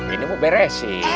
ini mau beres sih